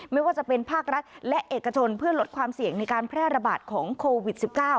ไม่ว่าจะเป็นภาครัฐและเอกชนเพื่อลดความเสี่ยงในการแพร่ระบาดของโควิด๑๙